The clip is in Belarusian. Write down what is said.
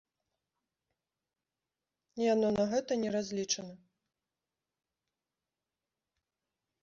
Яно на гэта не разлічана.